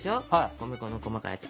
米粉の細かいやつ。